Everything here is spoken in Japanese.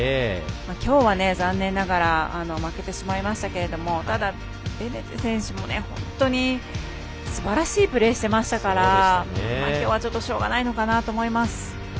きょうは、残念ながら負けてしまいましたけどもベデネ選手も本当にすばらしいプレーしてましたからきょうは、ちょっとしょうがないのかなと思います。